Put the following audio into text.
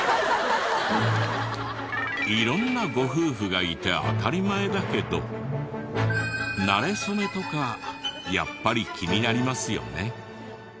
色んなご夫婦がいて当たり前だけどなれ初めとかやっぱり気になりますよね。